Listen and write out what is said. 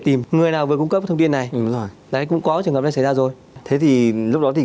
tìm người nào vừa cung cấp thông tin này rồi đấy cũng có trường hợp này xảy ra rồi thế thì lúc đó thì